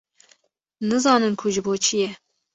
nizanin ku ji bo çî ye?